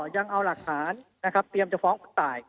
ยังเอาหลักฐานนะครับเตรียมจะฟ้องคุณตาย